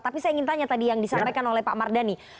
tapi saya ingin tanya tadi yang disampaikan oleh pak mardhani